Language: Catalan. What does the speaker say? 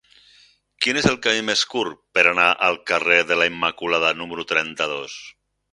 Quin és el camí més curt per anar al carrer de la Immaculada número trenta-dos?